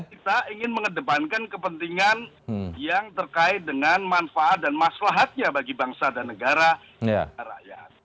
kita ingin mengedepankan kepentingan yang terkait dengan manfaat dan maslahatnya bagi bangsa dan negara rakyat